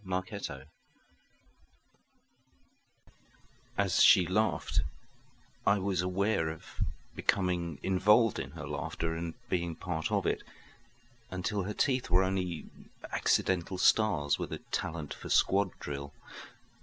Hysteria As she laughed I was aware of becoming involved in her laughter and being part of it, until her teeth were only accidental stars with a talent for squad drill.